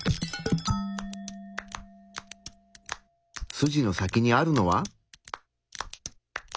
筋の先にあるのは？